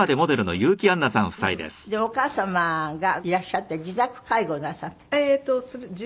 犬。でお母様がいらっしゃって自宅介護なさってた？